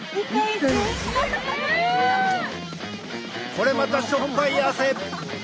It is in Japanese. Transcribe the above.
これまた塩っぱい汗。